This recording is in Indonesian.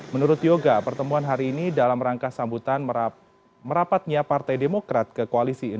menurut yoga pertemuan hari ini dalam rangka sambutan merapatnya partai demokrat ke koalisi indonesia